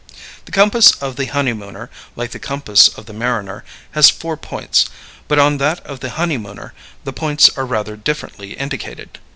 The compass of the honeymooner, like the compass of the mariner, has four points, but on that of the honeymooner the points are rather differently indicated.